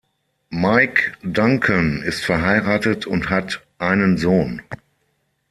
Mike Duncan ist verheiratet und hat einen Sohn.